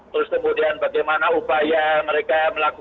terus kemudian bagaimana upaya mereka melakukan